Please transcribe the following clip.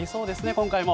今回も。